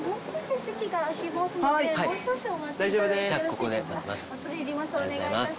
ここで待ちます。